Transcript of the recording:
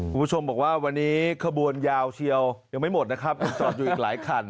คุณผู้ชมบอกว่าวันนี้ขบวนยาวเชียวยังไม่หมดนะครับยังจอดอยู่อีกหลายคัน